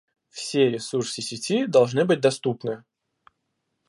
Все ресурсы сети должны быть доступны